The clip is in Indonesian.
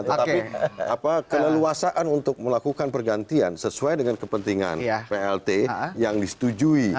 tetapi keleluasaan untuk melakukan pergantian sesuai dengan kepentingan plt yang disetujui